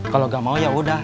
kalau gak mau ya udah